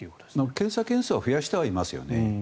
検査件数は増やしてはいますよね。